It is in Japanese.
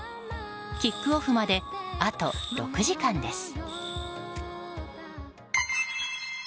キックオフまであと６時間です。